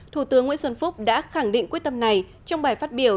thủ tướng nguyễn xuân phúc đã khẳng định quyết tâm này trong bài phát biểu